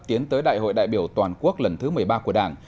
tiến tới đại hội đại biểu toàn quốc lần thứ một mươi ba của đảng